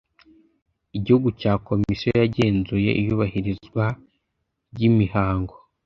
igihugu cya komisiyo yagenzuye iyubahirizwa ry imihango